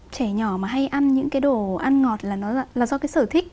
trẻ nhỏ mà hay ăn những cái đồ ăn ngọt là do cái sở thích